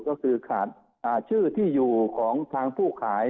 ก็คือขาดชื่อที่อยู่ของทางผู้ขาย